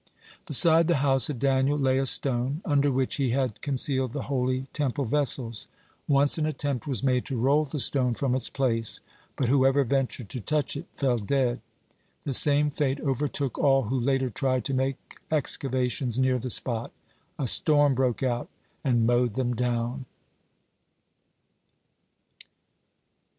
(21) Beside the house of Daniel lay a stone, under which he had concealed the holy Temple vessels. Once an attempt was made to roll the stone from its place, but whoever ventured to touch it, fell dead. The same fate overtook all who later tried to make excavations near the spot; a storm broke out and mowed them down.